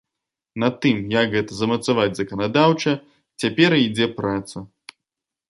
Над тым, як гэта замацаваць заканадаўча, цяпер і ідзе праца.